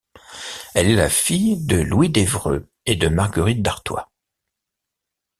Elle est la fille de Louis d'Évreux et de Marguerite d'Artois.